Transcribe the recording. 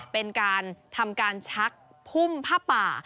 เป็นการทำการชักพุ่มผ้าป่า